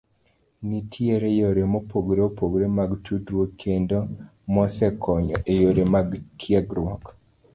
Nitiere yore mopogore opogore mag tudruok kendo mosekonyo e yore mag tiegruok.